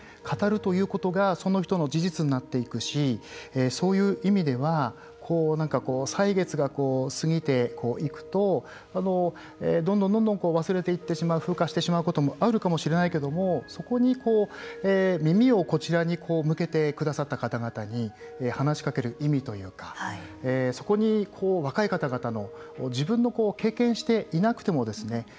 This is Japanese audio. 語るということがその人の事実になっていくしそういう意味ではなんかこう、歳月が過ぎていくとどんどん忘れていってしまう風化してしまうこともあるかもしれないけどもそこに耳をこちらに向けてくださった方々に話しかける意味というかそこに若い方々の自分で経験していなくてもですね